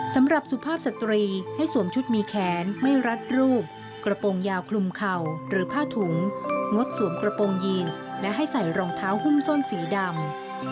สำหรับสุภาพสตรีให้สวมชุดมีแขนไม่รัดรูปกระโปรงยาวคลุมเข่าหรือผ้าถุงงดสวมกระโปรงยีนและให้ใส่รองเท้าหุ้มส้นสีดำ